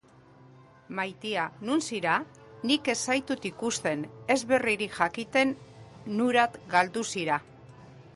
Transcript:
Maitia, nun zira? Nik ez zaitut ikusten, ez berririk jakiten, nurat galdu zira?